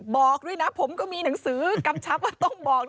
บอกด้วยนะผมก็มีหนังสือกำชับว่าต้องบอก